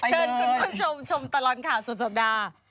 เชิญคุณผู้ชมชมตลอดข่าวสุดสัปดาห์